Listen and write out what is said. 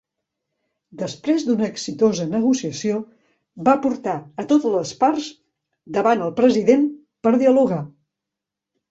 Després d'una exitosa negociació, va portar a totes les parts davant el President per dialogar.